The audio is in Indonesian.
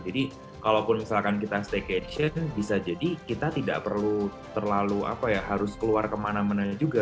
jadi kalau misalkan kita staycation bisa jadi kita tidak perlu terlalu harus keluar kemana mana juga